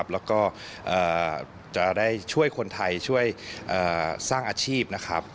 แล้วก็จะได้ช่วยคนไทยช่วยสร้างอาชีพนะครับ